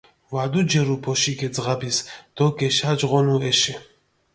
ვადუჯერუ ბოშიქ ე ძღაბის დო გეშაჯღონუ ეშე.